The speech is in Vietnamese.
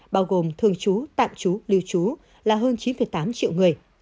bao gồm thường trú tạm trú lưu trú là hơn chín tám triệu người